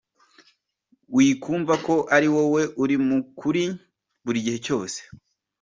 Wikumva ko ari wowe uri mu kuri buri gihe cyose.